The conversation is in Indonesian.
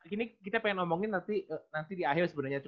ini kita ingin ngomongin nanti di akhir sebenarnya